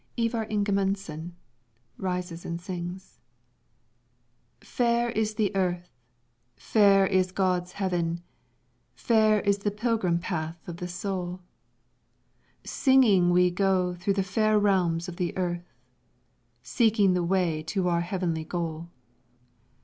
Ivar Ingemundson [rises and sings] Fair is the earth, Fair is God's heaven; Fair is the pilgrim path of the soul. Singing we go Through the fair realms of earth, Seeking the way to our heavenly goal.